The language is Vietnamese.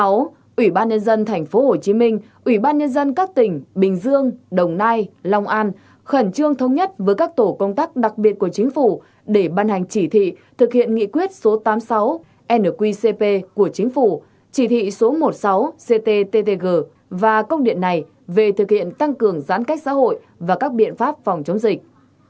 sáu ủy ban nhân dân thành phố hồ chí minh ủy ban nhân dân các tỉnh bình dương đồng nai long an khẩn trương thông nhất với các tổ công tác đặc biệt của chính phủ để ban hành chỉ thị thực hiện nghị quyết số tám mươi sáu nqcp của chính phủ chỉ thị số một mươi sáu ctttg và công điện này về thực hiện tăng cường giãn cách xã hội và các biện pháp phòng chống dịch